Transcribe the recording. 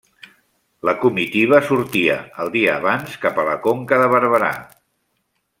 La comitiva sortia el dia abans cap a la Conca de Barberà.